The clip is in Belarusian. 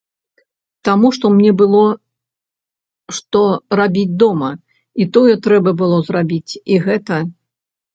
Таму што мне было што рабіць дома, і тое трэба было зрабіць, і гэта.